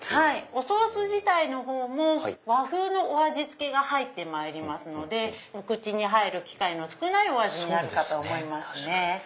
おソース自体も和風のお味付けが入ってまいりますのでお口に入る機会の少ないお味になるかと思いますね。